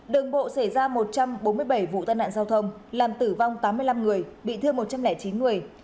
đường bộ xảy ra một trăm bốn mươi bảy vụ tai nạn giao thông làm tử vong tám mươi năm người bị thương một trăm linh chín người